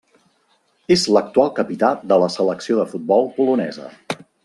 És l'actual capità de la selecció de futbol polonesa.